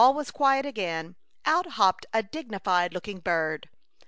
When all was quiet again, out hopped a dignified looking bird.